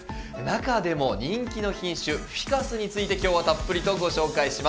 中でも人気の品種フィカスについて今日はたっぷりとご紹介します。